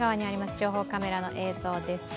情報カメラの映像です。